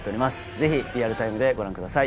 ぜひリアルタイムでご覧ください